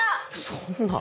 そんな。